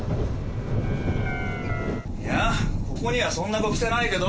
いやここにはそんな子来てないけど。